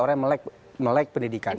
orang yang melek pendidikannya